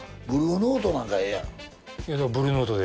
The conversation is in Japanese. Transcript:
ブルーノートなんかええやん。